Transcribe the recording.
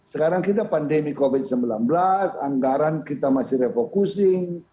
sekarang kita pandemi covid sembilan belas anggaran kita masih refocusing